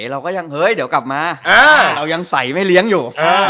เราก็ยังเฮ้ยเดี๋ยวกลับมาเรายังใส่ไม่เลี้ยงอยู่